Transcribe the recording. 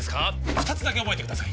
二つだけ覚えてください